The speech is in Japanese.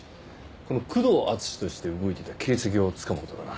この久遠淳史として動いてた形跡をつかむ事だな。